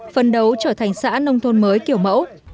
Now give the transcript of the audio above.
phân đấu trở thành xã nông thôn mới kiểu mẫu